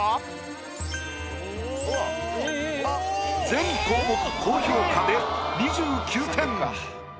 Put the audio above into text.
全項目高評価で２９点。